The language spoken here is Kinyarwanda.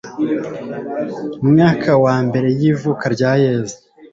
mwaka wa mbere y ivuka rya yezu